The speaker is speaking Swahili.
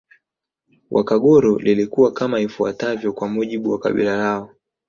Wakaguru lilikuwa kama ifuatavyo kwa mujibu wa kabila lao